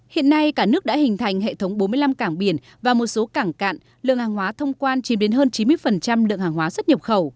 hiện nay cả nước đã hình thành hệ thống bốn mươi năm cảng biển và một số cảng cạn lượng hàng hóa thông quan chìm đến hơn chín mươi lượng hàng hóa xuất nhập khẩu